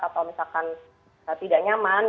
atau misalkan tidak nyaman